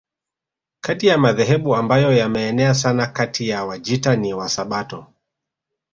Kati ya madhehebu ambayo yameenea sana kati ya Wajita ni Wasabato